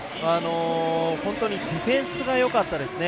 本当にディフェンスがよかったですね。